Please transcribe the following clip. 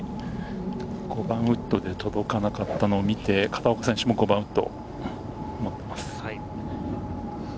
５番ウッドで届かなかったのを見て、片岡選手も５番ウッドを持っています。